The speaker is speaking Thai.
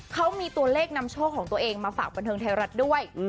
เขามีตัวเลขนำโชคของตัวเองมาฝากบันเทิงไทยรัฐด้วย